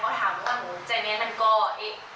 เขาถามหนูว่าหนูแจเนียนอันกอไอ